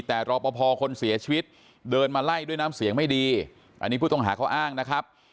แต่รอปภคนเสียชีวิตเดินมาไล่ด้วยน้ำเสียงไม่ดีอันนี้ผู้ต้องหาเขาอ้างนะครับ